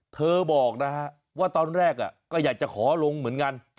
เธอบอกนะฮะว่าตอนแรกก็อยากจะขอลงเหมือนกัน